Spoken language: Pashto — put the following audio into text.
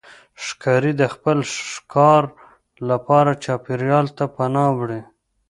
ښکاري د خپل ښکار لپاره چاپېریال ته پناه وړي.